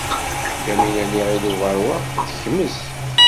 Yamina n Yiɣil Ubeṛwaq tekmez.